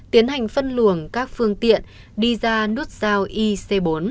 tiến hành phân luồng các phương tiện đi ra nút giao ic bốn